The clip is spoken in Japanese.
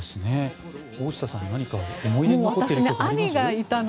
大下さんは何か思い出に残っている曲あります？